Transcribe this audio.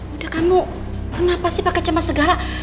udah kamu kenapa sih pake cemas segala